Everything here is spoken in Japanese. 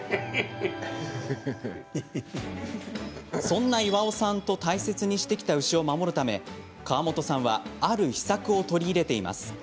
そんな巌さんと大切にしてきた牛を守るため川本さんはある秘策を取り入れています。